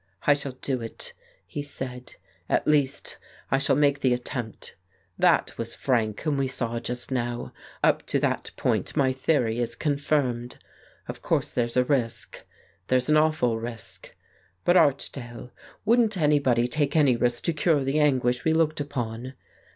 "I shall do it," he said; "at least, I shall make the attempt. That was Frank whom we saw just now; up to that point my theory is confirmed. Of course, there's a risk — there's an awful risk. But, Archdale, wouldn't anybody take any risk to cure the anguish we looked upon